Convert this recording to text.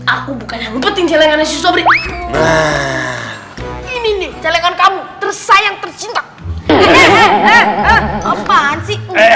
ke si sobri aku bukan yang penting jalan jalan sobrimu ini jalan kamu tersayang tersintas